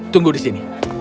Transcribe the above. tunggu di sini